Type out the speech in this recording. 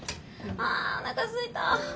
あおなかすいた！